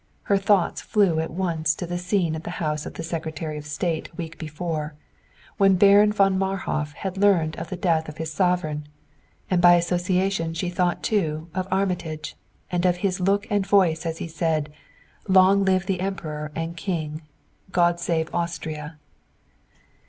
Her thoughts flew at once to the scene at the house of the Secretary of State a week before, when Baron von Marhof had learned of the death of his sovereign; and by association she thought, too, of Armitage, and of his, look and voice as he said: "Long live the Emperor and King! God save Austria!"